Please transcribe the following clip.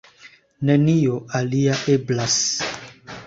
Nenio alia eblas.